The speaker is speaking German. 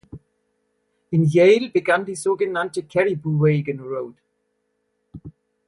In Yale begann die so genannte Cariboo Wagon Road.